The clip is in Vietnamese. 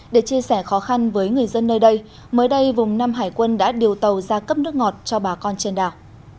để chia sẻ khó khăn với người dân nơi đây mới đây vùng nam hải quân đã điều tàu ra cấp nước ngọt cho bà con trên đảo